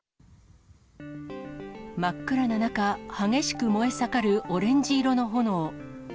真っ暗な中、激しく燃え盛るオレンジ色の炎。